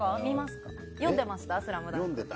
読んでました？